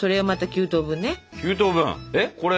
９等分！